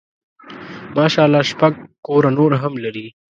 ماشاء الله شپږ کوره نور هم لري.